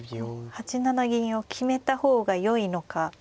８七銀を決めた方がよいのかどうなのか